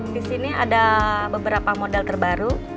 di sini ada beberapa model terbaru